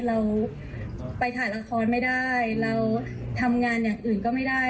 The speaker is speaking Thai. เราไปถ่ายละครไม่ได้เราทำงานอย่างอื่นก็ไม่ได้